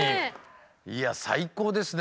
いや最高ですね